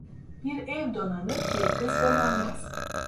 Bir ev donanır, bir kız donanmaz.